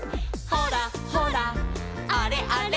「ほらほらあれあれ」